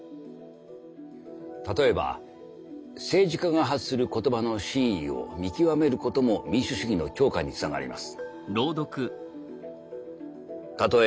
例えば政治家が発する言葉の真意を見極めることも民主主義の強化につながります。